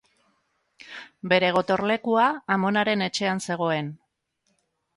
Bere gotorlekua amonaren etxean zegoen.